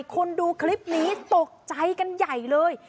คนดูคลิปนี้ตกใจกันใหญ่เลย